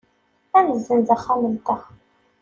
Ad nessenz axxam-nteɣ.